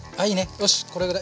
よしこれぐらい。